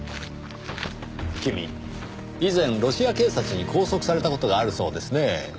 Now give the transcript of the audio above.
君以前ロシア警察に拘束された事があるそうですねぇ。